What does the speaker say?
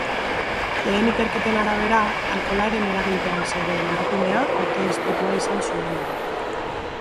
Lehen ikerketen arabera, alkoholaren eraginpean zegoen emakumea auto-istripua izan zuenean.